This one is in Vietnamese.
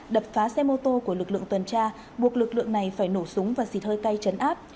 đập phá xe mô tô của lực lượng tuần tra buộc lực lượng này phải nổ súng và xịt hơi cay chấn áp